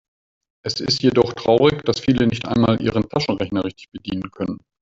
Es ist jedoch traurig, dass viele nicht einmal ihren Taschenrechner richtig bedienen können.